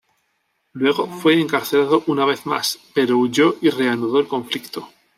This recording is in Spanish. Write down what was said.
Luego fue encarcelado una vez más, pero huyó y reanudó el conflicto.